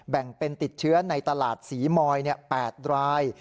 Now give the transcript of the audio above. แบ่งเป็นติดเชื้อในตลาดศรีมอย๘ราย